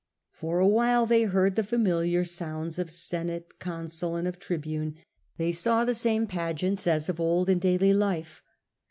For a while they heard the familiar sounds of Senate, consul, and of tribune ; they saw the same pageants as of old in daily life.